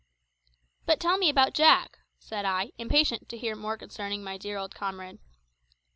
"But tell me about Jack," said I, impatient to hear more concerning my dear old comrade.